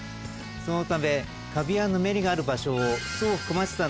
そのためカビやぬめりがある場所を。